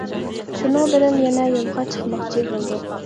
شۇنىڭ بىلەن يەنە يولغا چىقماقچى بولدۇق.